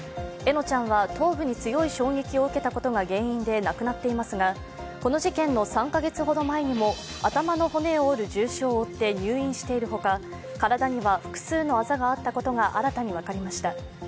笑乃ちゃんは頭部に強い衝撃を受けたことが原因で亡くなっていますが、この事件の３カ月ほど前にも頭の骨を折る重傷を負って入院しているほか、体には複数のあざがあったことが新たに分かりました。